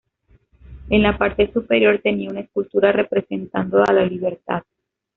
En la parte superior tenía una escultura representando a la libertad.